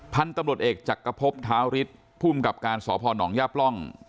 พันธุ์ตำรวจเอกจักรพบท้าวฤทธิ์ภูมิกับการสพนย่าปล่อง